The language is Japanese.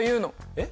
えっ？